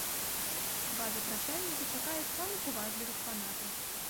Два запрашальнікі чакаюць самых уважлівых фанатаў!